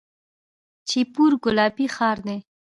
جیپور ګلابي ښار دی.